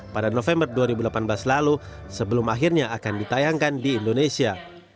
pada november dua ribu delapan belas lalu sebelum akhirnya akan ditayangkan di indonesia